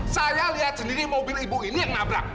saya lihat sendiri mobil ibu ini yang nabrak